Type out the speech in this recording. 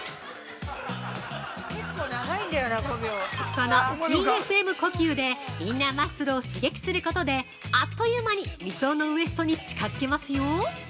このＴ・Ｆ・Ｍ呼吸でインナーマッスルを刺激することであっという間に理想のウエストに近づけますよ。